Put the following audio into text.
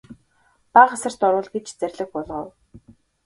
Бага асарт оруул гэж зарлиг буулгав.